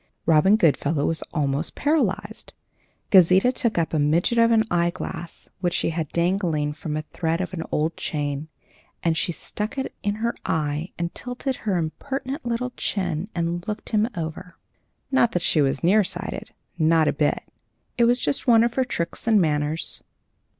Robin Goodfellow was almost paralyzed. Gauzita took up a midget of an eyeglass which she had dangling from a thread of a gold chain, and she stuck it in her eye and tilted her impertinent little chin and looked him over. Not that she was near sighted not a bit of it; it was just one of her tricks and manners.